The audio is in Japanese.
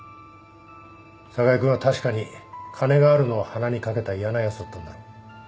寒河江君は確かに金があるのを鼻に掛けた嫌なやつだったんだろ。